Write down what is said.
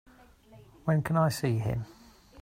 When can I see him?